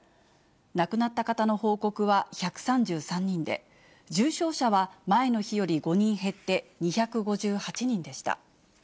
亡くなった方の報告は１３３人で、重症者は前の日より５人減って、２５８人でした。